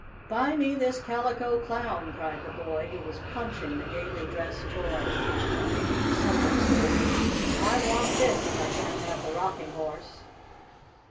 "Buy me this Calico Clown!" cried the boy, who was punching the gaily dressed toy, and making the cymbals clang. "I want this, if I can't have the Rocking Horse!"